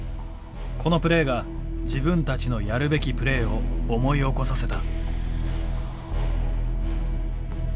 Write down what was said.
このプレーが自分たちのやるべきプレーを思い起こさせた。